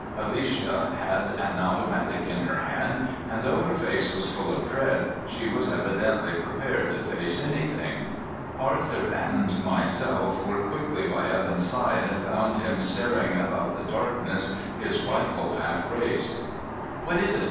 Alicia had an automatic in her hand and, though her face was full of dread, she was evidently prepared to face anything. Arthur and myself were quickly by Evan's side and found him staring about the darkness, his rifle half raised. "What is it?"